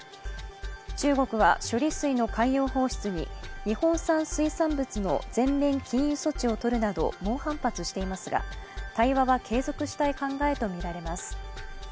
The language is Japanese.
中国は処理水の海洋放出に日本産水産物の全面禁輸措置を取るなど猛反発していますが、対話は継続したい考えとみられます。